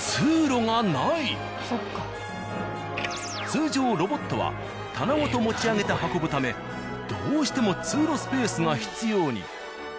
通常ロボットは棚ごと持ち上げて運ぶためどうしても通路スペースが必要に。